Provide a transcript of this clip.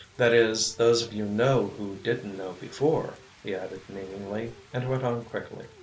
"That is, those of you know who didn't know before," he added meaningly, and went on quickly.